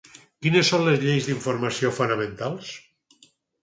Quines són les lleis d'informació fonamentals?